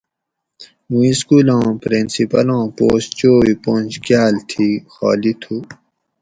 مُوں اِسکولاں پرنسپلاں پوسٹ چوئ پنج کاٞل تھی خالی تھُو